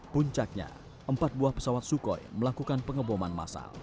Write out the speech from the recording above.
puncaknya empat buah pesawat sukhoi melakukan pengeboman masal